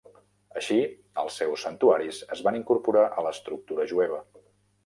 Així, els seus santuaris es van incorporar a l'estructura jueva.